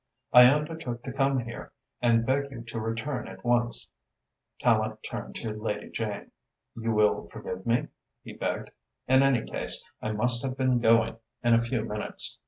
"I undertook to come here and beg you to return at once." Tallente turned to Lady Jane. "You will forgive me?" he begged. "In any case, I must have been going in a few minutes."